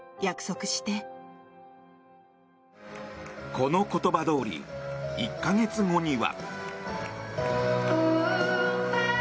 この言葉どおり１か月後には。